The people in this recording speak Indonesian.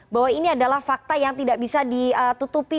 bahwa ini adalah fakta yang tidak bisa ditutupi